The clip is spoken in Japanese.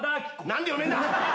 何で読めんだ！